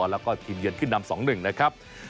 แล้วก็ทีมเยือนขึ้นนำ๒๑นะครับ